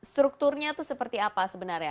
strukturnya itu seperti apa sebenarnya